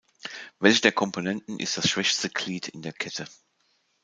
Welche der Komponenten ist das schwächste Glied in der Kette?